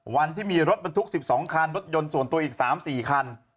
วันที่มีรถบรรทุก๑๒คันรถยนต์ส่วนตัวอีก๓๔คัน